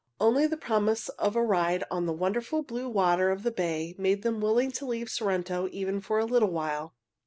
Only the promise of a ride on the wonderful blue water of the bay made them willing to leave Sorrento even for a little while.